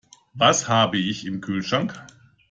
Was habe ich im Kühlschrank?